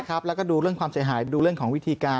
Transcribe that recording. แล้วก็ดูเรื่องความเสียหายดูเรื่องของวิธีการ